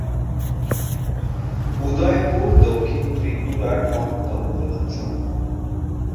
উদয়পুর দক্ষিণ ত্রিপুরার অন্যতম প্রধান শহর।